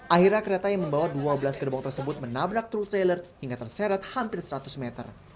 akhirnya kereta yang membawa dua belas gerbong tersebut menabrak truk trailer hingga terseret hampir seratus meter